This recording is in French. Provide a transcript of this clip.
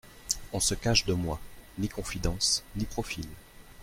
On se cache de moi : ni confidences, ni profils.